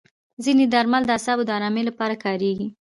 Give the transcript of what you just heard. ځینې درمل د اعصابو د ارامۍ لپاره کارېږي.